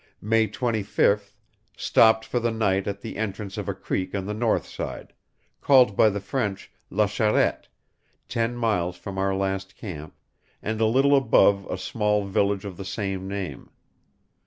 "May 25th.... Stopped for the night at the entrance of a creek on the north side, called by the French La Charette, ten miles from our last camp, and a little above a small village of the same name.